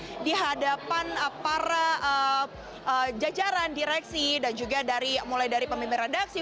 untuk bisa hadir di hadapan para jajaran direksi dan juga mulai dari pemimpin redaksi